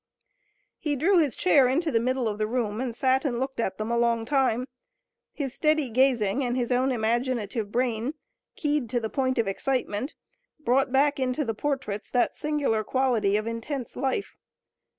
He drew his chair into the middle of the room and sat and looked at them a long time. His steady gazing and his own imaginative brain, keyed to the point of excitement, brought back into the portraits that singular quality of intense life.